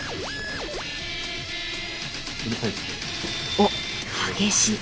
おっ激しい。